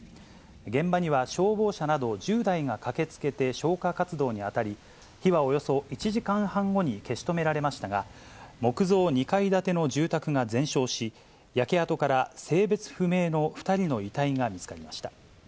現場には消防車など１０台が駆けつけて消火活動に当たり、火はおよそ１時間半後に消し止められましたが、木造２階建ての住宅が全焼し、焼け跡から性別不明の２人の遺体が見つかりました。